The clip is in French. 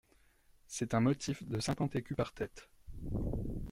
C’est un motif de cinquante écus par tête.